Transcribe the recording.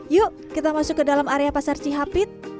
yuk kita masuk ke dalam area pasar cihapit